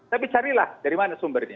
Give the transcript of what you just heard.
tapi carilah dari mana sumbernya